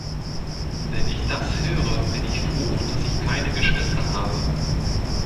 Wenn ich das höre, bin ich froh, dass ich keine Geschwister habe.